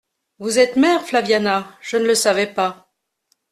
Vous êtes mère, Flaviana, je ne le savais pas.